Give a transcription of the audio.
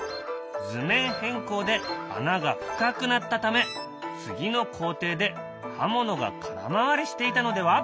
図面変更で穴が深くなったため次の工程で刃物が空回りしていたのでは？